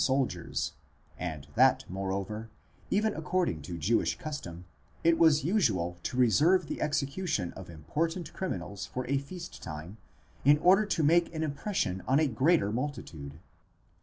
soldiers; and that moreover, even according to Jewish custom, it was usual to reserve the execution of important criminals for a feast time, in order to make an impression on a greater multitude.